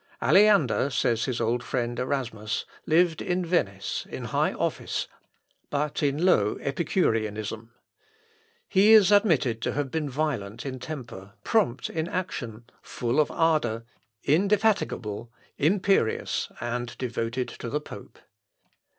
"Aleander," says his old friend Erasmus, "lived in Venice, in high office, but in low epicureanism." He is admitted to have been violent in temper, prompt in action, full of ardour, indefatigable, imperious, and devoted to the pope.